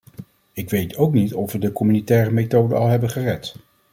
Ik weet ook niet of we de communautaire methode al hebben gered.